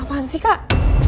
apaan sih kak